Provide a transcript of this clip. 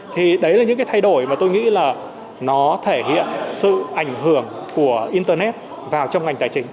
thì đấy là những cái thay đổi mà tôi nghĩ là nó thể hiện sự ảnh hưởng của internet vào trong ngành tài chính